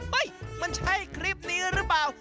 มันใช่คลิปนี้หรือเปล่า